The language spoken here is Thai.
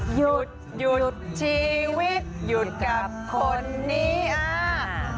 หยุดหยุดชีวิตหยุดกับคนนี้อ่า